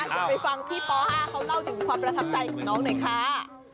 เดี๋ยวไปฟังพี่ป๕เขาเล่าถึงความประทับใจของน้องหน่อยค่ะ